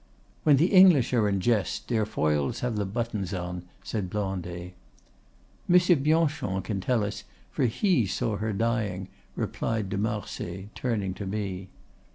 "When the English are in jest, their foils have the buttons on," said Blondet. "Monsieur Bianchon can tell us, for he saw her dying," replied de Marsay, turning to me.